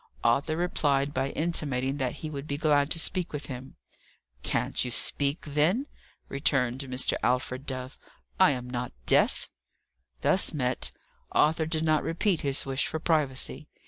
Arthur replied by intimating that he would be glad to speak with him. "Can't you speak, then?" returned Mr. Alfred Dove. "I am not deaf." Thus met, Arthur did not repeat his wish for privacy.